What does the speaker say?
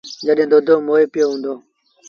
جڏهيݩ دودو مئو پيو هُݩدو۔